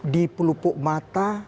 di pelupuk mata